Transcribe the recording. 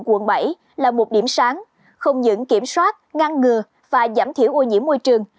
quận bảy là một điểm sáng không những kiểm soát ngăn ngừa và giảm thiểu ô nhiễm môi trường